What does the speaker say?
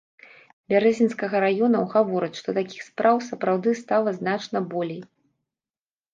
Бярэзінскага раёнаў гавораць, што такіх спраў сапраўды стала значна болей.